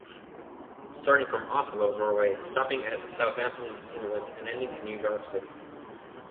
Starting from Oslo, Norway, stopping at Southampton, England, and ending in New York City.